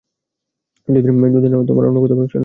যদি না তোমার অন্য কোথাও নামার থাকে।